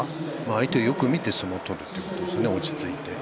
相手をよく見て相撲を取るということですよね。